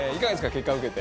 結果受けて。